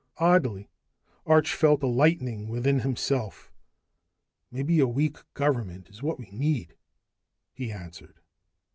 Oddly, Arch felt a lightening within himself. "Maybe a weak government is what we need," he answered.